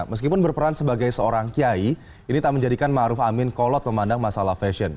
meskipun berperan sebagai seorang kiai ini tak menjadikan ma'ruf amin kolot memandang masalah fashion